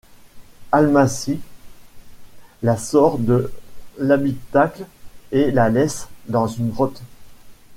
Almásy la sort de l'habitacle et la laisse dans une grotte.